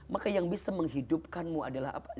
maka yang bisa menghidupkanmu adalah